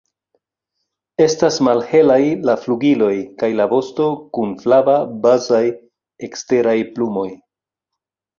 Estas malhelaj la flugiloj kaj la vosto kun flava bazaj eksteraj plumoj.